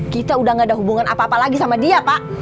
kita udah gak ada hubungan apa apa lagi sama dia pak